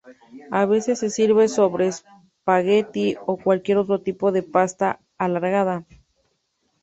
A veces se sirve sobre spaghetti o cualquier otro tipo de pasta alargada.